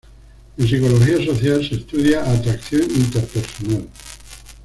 En psicología social se estudia atracción interpersonal.